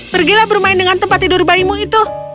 pergilah bermain dengan tempat tidur bayimu itu